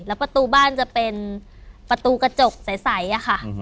แล้วประตูบ้านจะเป็นประตูกระจกใสอะค่ะ